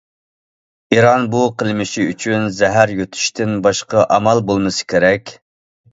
ئىران بۇ قىلمىشى ئۈچۈن زەھەر يۇتۇشتىن باشقا ئامال بولمىسا كېرەك.